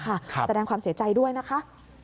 แสดงความเสียใจด้วยนะคะ